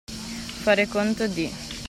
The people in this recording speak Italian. Fare conto di.